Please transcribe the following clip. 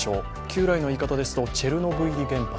旧来の言い方ですとチェルノブイリ原発。